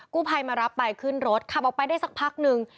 กู้ภัยมารับไปขึ้นรถขับออกไปได้สักพักนึง